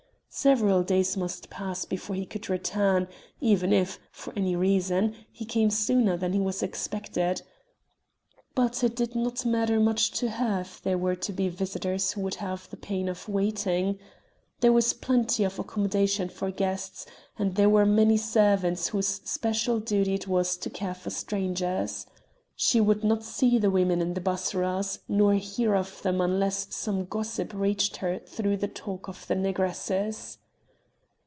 Several days must pass before he could return, even if, for any reason, he came sooner than he was expected. But it did not matter much to her, if there were to be visitors who would have the pain of waiting. There was plenty of accommodation for guests, and there were many servants whose special duty it was to care for strangers. She would not see the women in the bassourahs, nor hear of them unless some gossip reached her through the talk of the negresses.